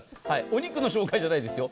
お肉の紹介じゃないですよ。